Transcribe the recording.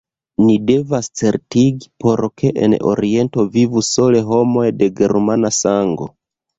Ni devas certigi, por ke en Oriento vivu sole homoj de germana sango.